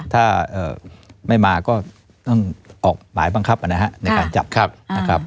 ถ้าไม่มาก็ต้องออกหมายบังคับนะฮะในการจับ